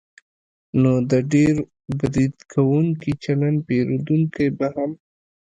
نو د ډېر برید کوونکي چلند پېرودونکی به هم